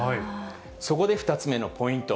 そこで２つ目のポイント。